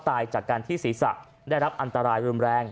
ตายจากการที่ศีรษะได้รับอันตรายรุนแรง